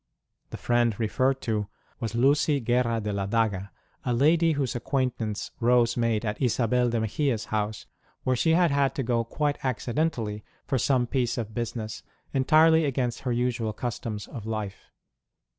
The friend referred to was Lucy Guerra de la Daga, a lady whose acquaintance Rose made at Isabel de Mexia s house, where she had had to go quite accidentally for some piece of business, entirely against her usual customs of life.